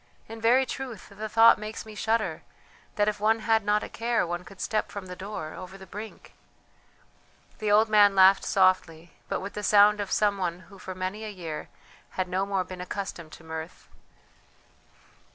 In very truth the thought makes me shudder, that if one had not a care one could step from the door over the brink!" The old man laughed softly, but with the sound of some one who for many a year had no more been accustomed to mirth.